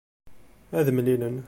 Ad mlellin.